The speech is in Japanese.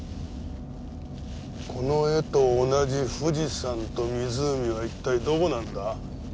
この絵と同じ富士山と湖は一体どこなんだ？